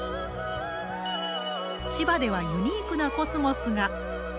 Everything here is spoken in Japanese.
千葉ではユニークなコスモスが。